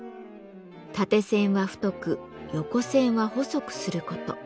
縦線は太く横線は細くする事。